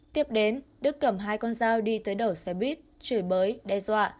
tiếp đến đức cầm hai con dao đi tới đầu xe buýt chửi bới đe dọa